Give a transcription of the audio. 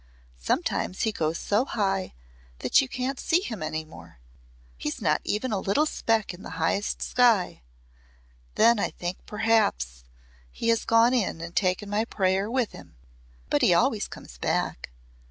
Sometimes he goes so high that you can't see him any more He's not even a little speck in the highest sky Then I think perhaps he has gone in and taken my prayer with him. But he always comes back.